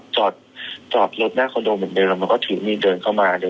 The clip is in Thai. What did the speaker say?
จอดรถข้างหน้าคอนโดเหมือนเดินมาถือมีดเดินเข้ามา